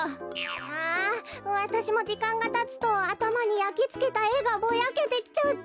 ああわたしもじかんがたつとあたまにやきつけたえがぼやけてきちゃって。